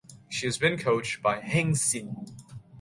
She has been coached by Heng Xin.